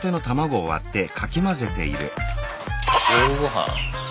夜ごはん？